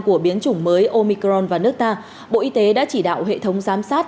của biến chủng mới omicron vào nước ta bộ y tế đã chỉ đạo hệ thống giám sát